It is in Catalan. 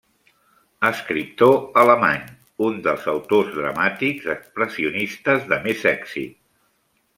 Escriptor alemany, un dels autors dramàtics expressionistes de més èxit.